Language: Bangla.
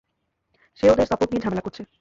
সে ওদের সাপোর্ট নিয়ে ঝামেলা করছে।